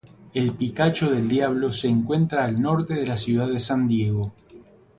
El Picacho del Diablo se encuentra al norte de la ciudad de San Diego.